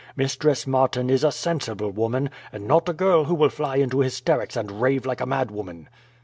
Mistress Martin is a sensible woman, and not a girl who will fly into hysterics and rave like a madwoman.